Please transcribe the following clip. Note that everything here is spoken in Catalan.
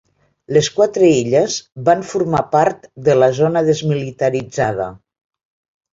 Les quatre illes van formar part de la zona desmilitaritzada.